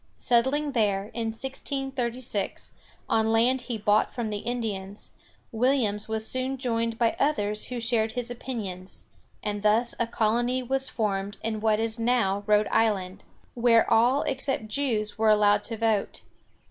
Settling there, in 1636, on land he bought from the Indians, Williams was soon joined by others who shared his opinions, and thus a colony was formed in what is now Rhode Island, where all except Jews were allowed to vote.